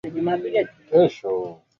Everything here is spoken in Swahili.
wanaelewa dada unafahamu kwamba